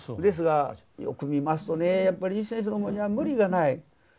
ですがよく見ますとねやっぱりリーチ先生のものには無理がない。